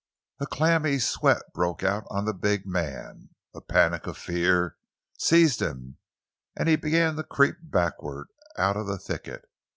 A clammy sweat broke out on the big man; a panic of fear seized him, and he began to creep backward, out of the thicket.